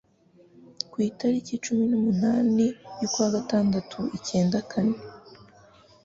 ku itariki yacumi numunani y'ukwa gatandatu icyenda kane